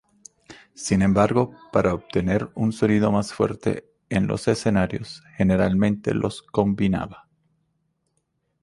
Sin embargo, para obtener un sonido más fuerte en los escenarios, generalmente los combinaba.